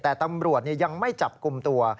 แต่ตำรวจยังไม่จับกลุ่มตัว